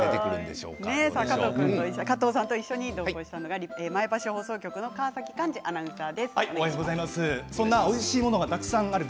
加藤さんと一緒に同行したのは前橋放送局の川崎寛司アナウンサーです。